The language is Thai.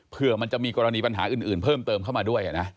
เพื่อมันจะมีกรณีปัญหาอื่นเพิ่มเติมเข้ามาด้วยนะ